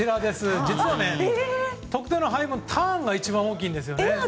実は得点の配分はターンが一番大きいんですね。